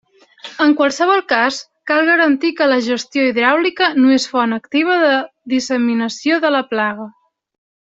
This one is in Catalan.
En qualsevol cas, cal garantir que la gestió hidràulica no és font activa de disseminació de la plaga.